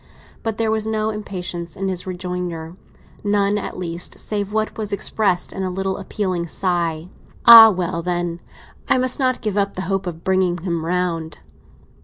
But there was no impatience in his rejoinder—none, at least, save what was expressed in a little appealing sigh. "Ah, well, then, I must not give up the hope of bringing him round!"